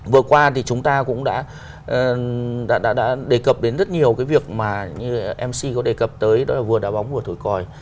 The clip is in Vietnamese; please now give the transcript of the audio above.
vừa qua thì chúng ta cũng đã đề cập đến rất nhiều cái việc mà mc có đề cập tới đó là vừa đá bóng vừa thổi còi